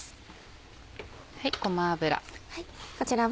ごま油。